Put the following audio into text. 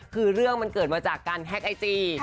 คือเรื่องมันเกิดมาจากการแฮ็กไอจี